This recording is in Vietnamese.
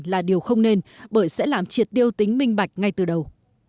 là điều không nên bởi sẽ làm triệt điêu tính minh bạch ngay từ đầu